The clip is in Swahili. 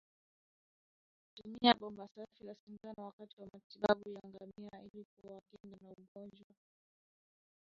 Tumia bomba safi la sindano wakati wa matibabu ya ngamia ili kuwakinga na ugonjwa